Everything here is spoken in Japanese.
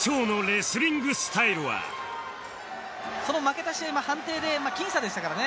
その負けた試合も判定で僅差でしたからね。